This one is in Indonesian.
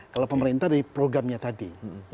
kalau pemerintah dari programnya tadi